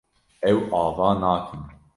Ew ava nakin.